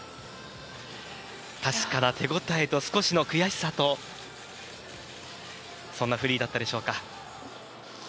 確かな手応えと少しの悔しさとそんなフリーだったでしょうか。